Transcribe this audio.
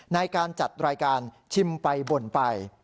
ในการจัดรายการชิมไปบ่นไป